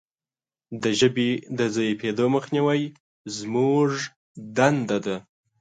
د ژبې د ضعیفیدو مخنیوی زموږ دنده ده.